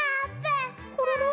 コロロ？